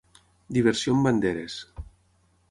Diversió amb banderes.